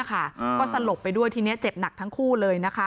ก็สลบไปด้วยทีนี้เจ็บหนักทั้งคู่เลยนะคะ